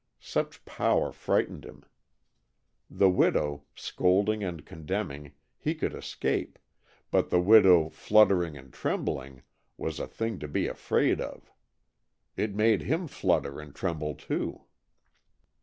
Such power frightened him. The widow, scolding and condemning, he could escape, but the widow fluttering and trembling, was a thing to be afraid of. It made him flutter and tremble, too.